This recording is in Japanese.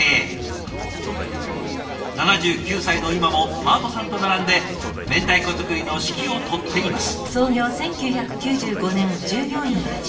７９歳の今もパートさんと並んで明太子作りの指揮を執っています。